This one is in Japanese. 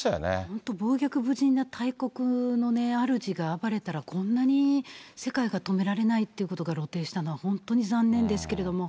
本当、傍若無人な大国の主が暴れたら、こんなに世界が止められないということが露呈したのは本当に残念ですけれども。